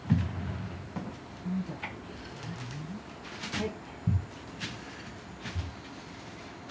はい。